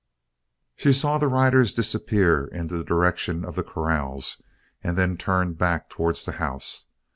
She saw the riders disappear in the direction of the corrals and then turned back towards the house.